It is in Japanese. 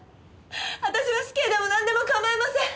私は死刑でもなんでも構いません！